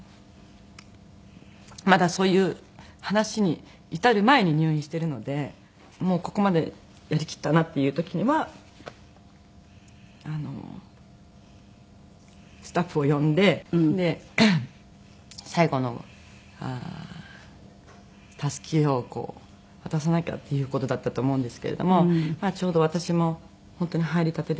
まだそういう話に至る前に入院してるのでもうここまでやりきったなっていう時にはあのスタッフを呼んで最後のたすきを渡さなきゃっていう事だったと思うんですけれどもちょうど私も本当に入りたてでしたし。